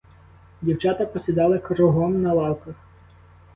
Дівчата посідали кругом на лавках.